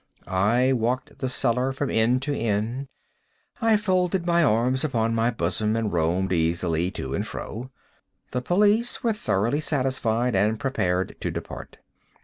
I walked the cellar from end to end. I folded my arms upon my bosom, and roamed easily to and fro. The police were thoroughly satisfied and prepared to depart.